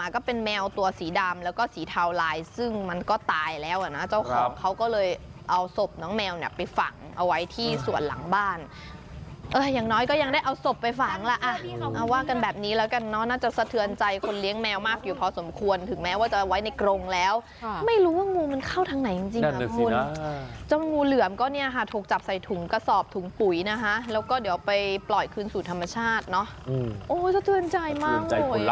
ก็เป็นแมวตัวสีดำแล้วก็สีเทาลายซึ่งมันก็ตายแล้วอ่ะน่ะเจ้าของเขาก็เลยเอาศพน้องแมวเนี้ยไปฝั่งเอาไว้ที่ส่วนหลังบ้านเอออย่างน้อยก็ยังได้เอาศพไปฝั่งล่ะอ่ะเอาว่ากันแบบนี้แล้วกันน่าจะสะเทือนใจคนเลี้ยงแมวมากอยู่พอสมควรถึงแม้ว่าจะไว้ในกรงแล้วไม่รู้ว่างูมันเข้าทางไหนจริงจริง